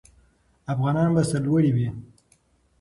افغانان به سرلوړي وي.